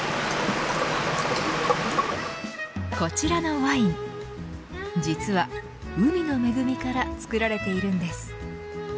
こちらのワイン実は海の恵みからつくられているんです。